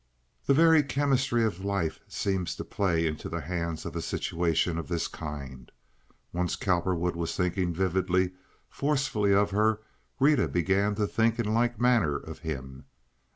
The very chemistry of life seems to play into the hands of a situation of this kind. Once Cowperwood was thinking vividly, forcefully, of her, Rita began to think in like manner of him.